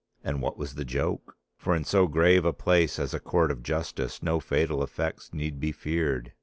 And what was the joke? For in so grave a place as a Court of Justice no fatal effects need be feared.